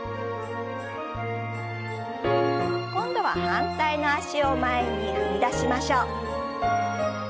今度は反対の脚を前に踏み出しましょう。